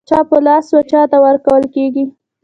چا په لاس و چاته ورکول کېږي.